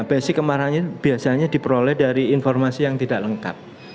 basic kemarin biasanya diperoleh dari informasi yang tidak lengkap